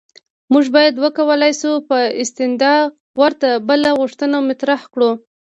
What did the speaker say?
موږ باید وکولای شو په استناد ورته بله غوښتنه مطرح کړو.